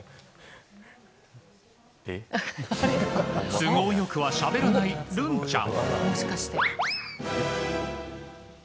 都合よくはしゃべらないるんちゃん。